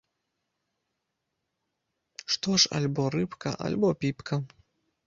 Што ж, альбо рыбка, альбо піпка!